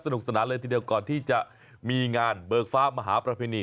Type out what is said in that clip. สนานเลยทีเดียวก่อนที่จะมีงานเบิกฟ้ามหาประเพณี